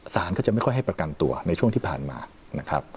ก็จะไม่ค่อยให้ประกันตัวในช่วงที่ผ่านมานะครับ